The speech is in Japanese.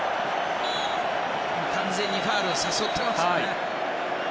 完全にファウルを誘ってますね。